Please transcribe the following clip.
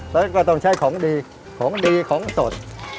แล้วก็ต้องใช้ของดีของดีของสด